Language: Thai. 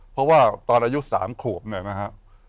เพราะว่าตอนอายุ๓ขวบเนี่ยนะฮะ